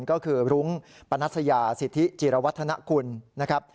ก็คือรุ้งปนัสยาสิทธิจิรวัฒนกุลนะครับ